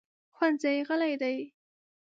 ښوونځی غلی دی.